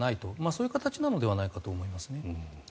そういう形ではないかと思いますね。